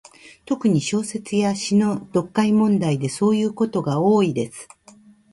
特に、小説や詩の読解問題でそういうことが多いです。